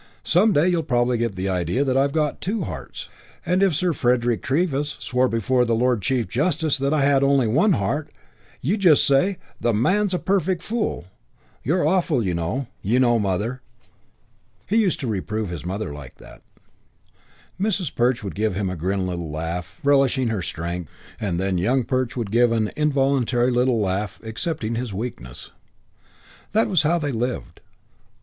Some day you'll probably get the idea that I've got two hearts and if Sir Frederick Treves swore before the Lord Chief Justice that I only had one heart you'd just say, 'The man's a perfect fool.' You're awful, you know, Mother." He used to reprove his mother like that. Mrs. Perch would give a grim little laugh, relishing her strength, and then Young Perch would give an involuntary little laugh, accepting his weakness. That was how they lived.